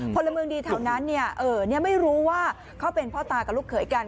พลเมืองดีแถวนั้นไม่รู้ว่าเขาเป็นพ่อตากับลูกเขยกัน